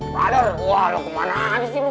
brother wah lo kemanaan disini